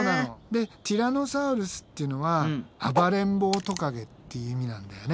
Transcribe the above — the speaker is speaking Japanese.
でティラノサウルスっていうのは暴れん坊トカゲって意味なんだよね。